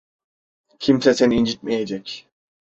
Kimse seni incitmeyecek.